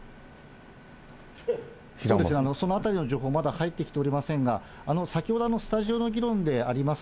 そのあたりの情報、まだ入ってきておりませんが、先ほどスタジオの議論であります